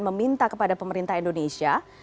meminta kepada pemerintah indonesia